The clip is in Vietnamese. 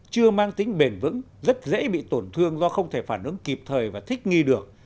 chưa mang tính bền vững rất dễ bị tổn thương do không thể phản ứng kịp thời và thích nghi được